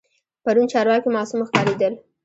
پرون چارواکي معصوم ښکارېدل.